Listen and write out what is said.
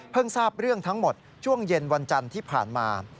ทราบเรื่องทั้งหมดช่วงเย็นวันจันทร์ที่ผ่านมา